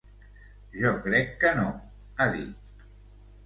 Jo crec que no, ha dit.